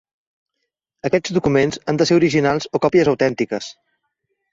Aquests documents han de ser originals o còpies autèntiques.